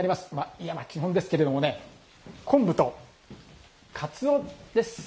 いわば基本ですけれどもね昆布と、かつおです。